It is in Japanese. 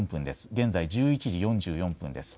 現在１１時４４分です。